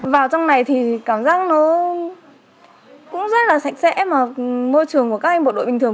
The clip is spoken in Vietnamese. vào trong này thì cảm giác nó cũng rất là sạch sẽ mà môi trường của các anh bộ đội bình thường